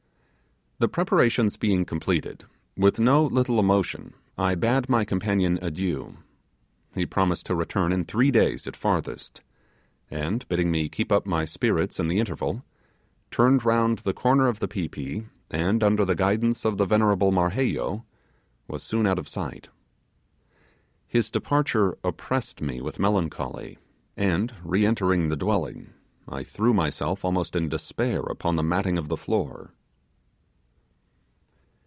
The preparations being completed, with no little emotion I bade my companion adieu. He promised to return in three days at farthest; and, bidding me keep up my spirits in the interval, turned round the corner of the pi pi, and, under the guidance of the venerable Marheyo, was soon out of sight. His departure oppressed me with melancholy, and, re entering the dwelling, I threw myself almost in despair upon the matting of the floor.